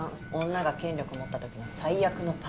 女が権力持った時の最悪のパターン。